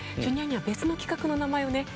Ｊｒ．には別の企画の名前をね